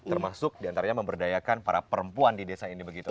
termasuk diantaranya memberdayakan para perempuan di desa ini begitu